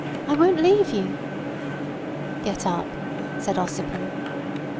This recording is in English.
I won't leave you." "Get up," said Ossipon.